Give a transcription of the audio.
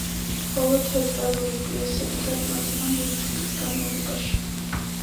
მხოლოდ თეატრალური პიესები გაიმართა რამდენიმე დღის განმავლობაში.